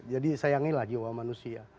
jadi sayanginlah jiwa manusia